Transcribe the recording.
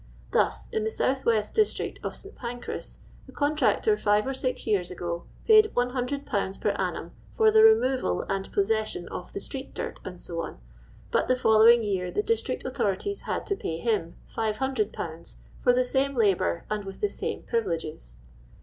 Thus, in the south west district of St. raiunis, the contractor, live or six years ago, paid lOO/. per annum for tho removal and possession of the street dirt. \c. : but the following year the district aiithoj ities had to pay him 500/. for the snnic labour and with tho same privileges!